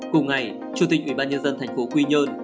cùng ngày chủ tịch ủy ban nhân dân thành phố quy nhơn